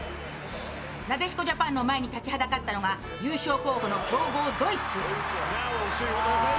なでしこジャパンの前に立ちはだかったのが優勝候補の強豪ドイツ。